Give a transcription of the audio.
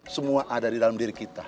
semua ada di dalam diri kita